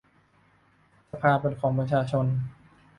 สภาเป็นของประชาชน